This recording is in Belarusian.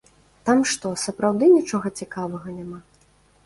Там што, сапраўды нічога цікавага няма?